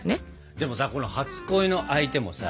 でもさこの初恋の相手もさ